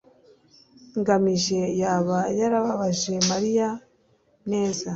ngamije yaba yarababaje mariya? neza